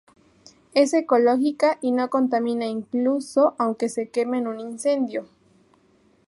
Es ecológica y no contamina incluso aunque se queme en un incendio.